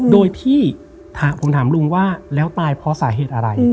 โดยที่ผมถามลุงว่าแล้วตายเพราะสาเหตุอะไร